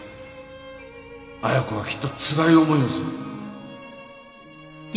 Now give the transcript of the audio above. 綾子はきっとつらい思いをする。